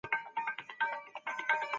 کمپيوټر معلومات بندوي.